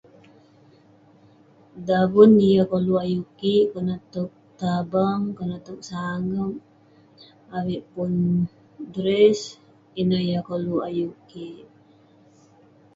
"Daven yah koluk ayuk kik konak towk tabang, konak towk sangep..avik pun ""dress.."" ineh yah koluk ayuk kik.."